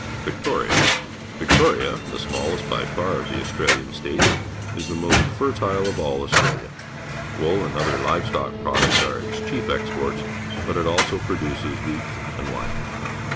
Victoria. — 1 'ictoria , the smallest by far of the Austrahan States, is the nigst Xertile_se.ctii)n of all Austraha. Wool and other li_ ve stock produc ts are its chief exports, but it ako produces wheat and wine.